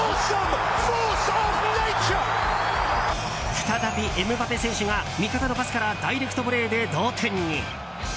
再び、エムバペ選手が味方のパスからダイレクトボレーで同点に。